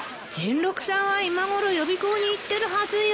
甚六さんは今ごろ予備校に行ってるはずよ。